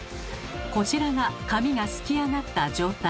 こちらが紙がすき上がった状態。